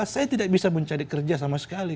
saya tidak bisa mencari kerja sama sekali